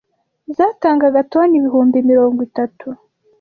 zatangaga toni ibihumbi mirongo itatu